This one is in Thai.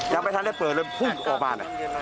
ยังไม่ทันได้เปิดเลยพุ่งออกมา